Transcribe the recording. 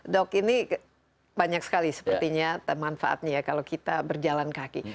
dok ini banyak sekali sepertinya manfaatnya ya kalau kita berjalan kaki